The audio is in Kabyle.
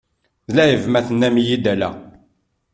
D lɛib ma tennam-iyi-d ala!